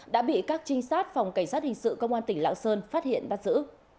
đã bị các trinh sát phòng cảnh sát hình sự công an tỉnh lạng sơn phát hiện bắt giữ